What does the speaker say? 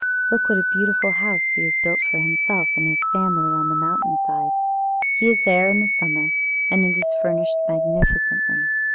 Look what a beautiful house he has built for himself and his family on the mountain side. He is there in summer, and it is furnished magnificently.